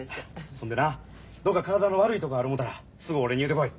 そんでなどっか体の悪いとこある思うたらすぐ俺に言うてこい。